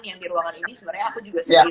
yang di ruangan ini sebenarnya aku juga sedih